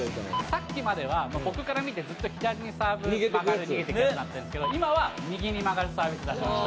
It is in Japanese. さっきまでは僕から見てずっと左にサーブ曲がる逃げていくってなってるんですけど今は右に曲がるサービス出しました。